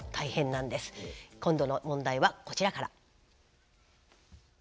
今度の問題はこちらから。